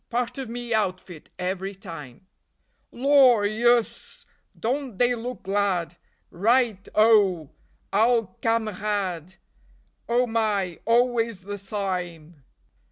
Part of me outfit every time. Lor, yus; DON'T they look glad? Right O! 'Owl Kamerad! Oh my, always the syme!